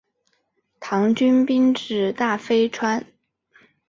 唐军兵至大非川。